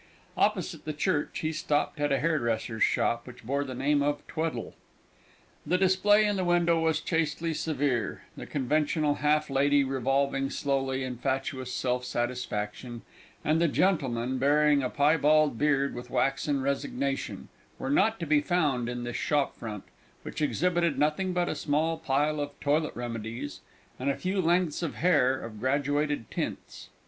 Opposite the church he stopped at a hairdresser's shop, which bore the name of Tweddle. The display in the window was chastely severe; the conventional half lady revolving slowly in fatuous self satisfaction, and the gentleman bearing a piebald beard with waxen resignation, were not to be found in this shop front, which exhibited nothing but a small pile of toilet remedies and a few lengths of hair of graduated tints.